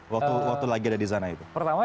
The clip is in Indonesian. waktu lagi ada disana itu